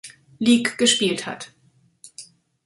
Lig gespielt hat.